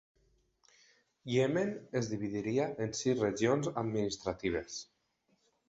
Iemen es dividiria en sis regions administratives.